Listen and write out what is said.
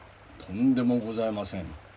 とんでもございません。